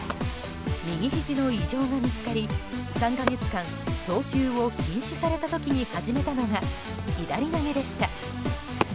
右ひじの異常が見つかり３か月間、投球を禁止された時に始めたのが左投げでした。